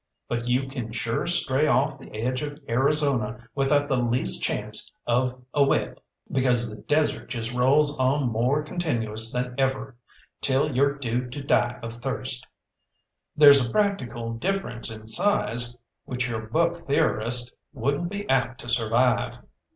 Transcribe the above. But you can sure stray off the edge of Arizona without the least chance of a wet, because the desert just rolls on more continuous than ever, till you're due to die of thirst. There's a practical difference in size, which your book theorist wouldn't be apt to survive.